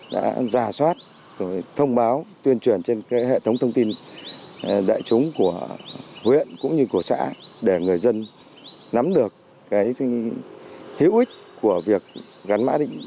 đã giả soát thông báo tuyên truyền trên hệ thống thông tin đại chúng của huyện cũng như của xã để người dân nắm được hữu ích của việc gắn mã định